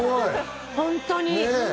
本当に。